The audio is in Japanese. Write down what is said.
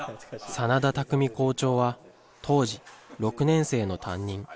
眞田巧校長は当時、６年生の担任。